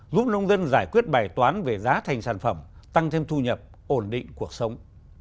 giúp nông dân giải quyết bài toán về giá thành sản phẩm tăng thêm thu nhập ổn định cuộc sống